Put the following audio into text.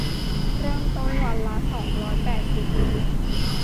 เริ่มต้นวันละ สองร้อยแปดสิบ